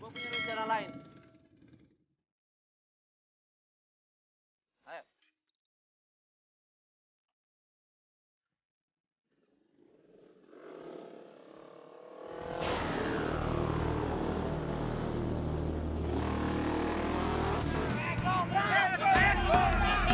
gua punya rencana lain